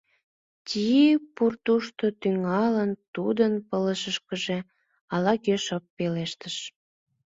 — Тьи-Пурутышто тӱҥалын, — тудын пылышышкыже ала-кӧ шып пелештыш.